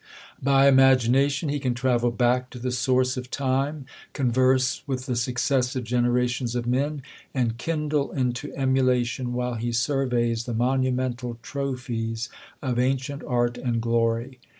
By imagination he can travel back to the source of time ; converse with the successive generations of men, and kindle into emulation while he surveys the monu mental trophies of ancient art and glory.